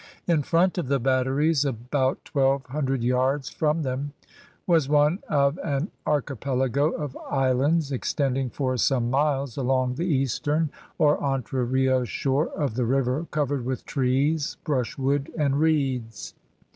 In front of the batteries, about twelve hundred yards from them, was one of an archipelago of islands, extending for some miles along the eastern or Entre Rios shore of the river, covered with trees, brushwood, and reeds.